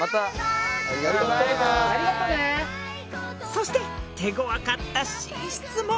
そして手ごわかった寝室も。